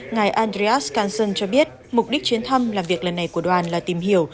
ngài andreas kassel cho biết mục đích chiến thăm làm việc lần này của đoàn là tìm hiểu